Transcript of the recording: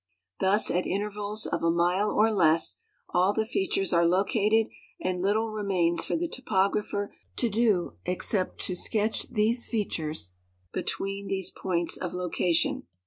Thus at intervals of a mile or less all the features are located and little remains for the topographer to do except to sketch these features between these points of location.